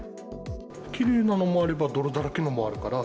きれいなのもあれば、泥だらけのもあるから。